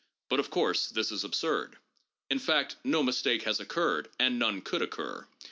But of course this is absurd. In fact no mistake has occurred, and none could occur.